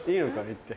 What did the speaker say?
行って。